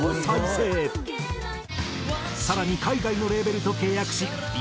更に海外のレーベルと契約し今